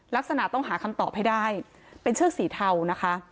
ลักษณะต้องหาคำตอบให้ได้เป็นเชือกสีเทานะคะ